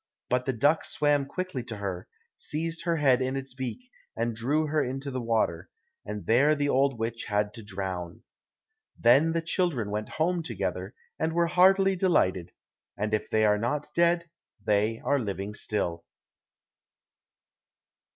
But the duck swam quickly to her, seized her head in its beak and drew her into the water, and there the old witch had to drown. Then the children went home together, and were heartily delighted, and if they are not dead, they are living still.